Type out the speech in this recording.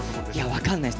分かんないです。